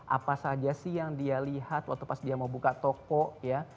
apa saja sih yang dia lihat waktu pas dia mau buka toko ya